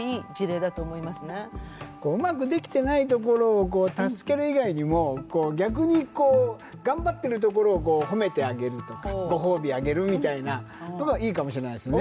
うまくできてないところを助ける以外にも逆に頑張ってるところを褒めてあげるとかご褒美あげるみたいなのがいいかもしれないですね。